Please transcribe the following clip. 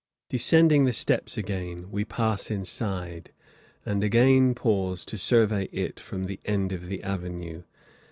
Descending the steps again, we pass inside, and again pause to survey it from the end of the avenue.